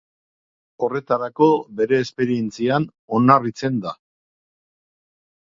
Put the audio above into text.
Horretarako bere esperientzian oinarritzen da.